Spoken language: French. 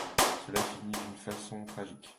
Cela finit d'une façon tragique.